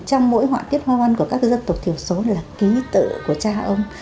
trong mỗi hoạn kiếp hoa văn của các dân tộc thiểu số là ký tựa của cha ông